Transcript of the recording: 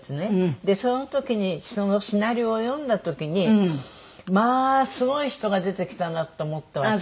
その時にそのシナリオを読んだ時に「まあすごい人が出てきたな」と思ったわけ。